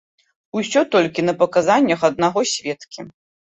Усё толькі на паказаннях аднаго сведкі.